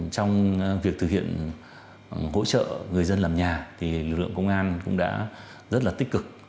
trong việc thực hiện hỗ trợ người dân làm nhà thì lực lượng công an cũng đã rất là tích cực